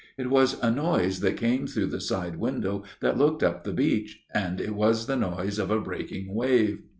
" It was a noise that came through the side window that looked up the beach, and it was the noise of a breaking wave."